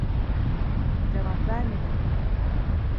Cevap vermedin.